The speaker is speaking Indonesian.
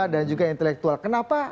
dan juga intelektual kenapa